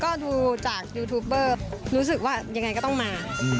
ก็ดูจากยูทูปเบอร์รู้สึกว่ายังไงก็ต้องมา